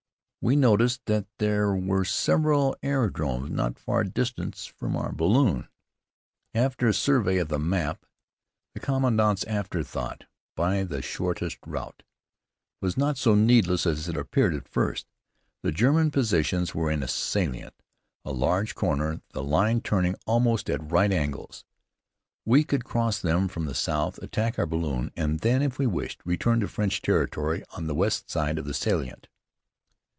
We noticed that there were several aerodromes not far distant from our balloon. After a survey of the map, the commandant's afterthought, "by the shortest route," was not so needless as it appeared at first. The German positions were in a salient, a large corner, the line turning almost at right angles. We could cross them from the south, attack our balloon, and then, if we wished, return to French territory on the west side of the salient.